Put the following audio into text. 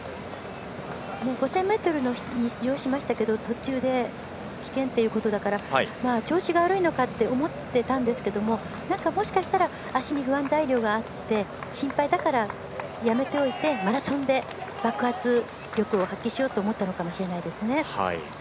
５０００ｍに出場しましたけど途中で棄権というとことだから調子が悪いのかと思ってたんですけどもしかしたら足に不安材料があって心配だからやめておいてマラソンで爆発力を発揮しようと思ったのかもしれないですね。